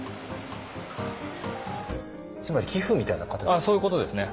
つまり寄付みたいな形ですか？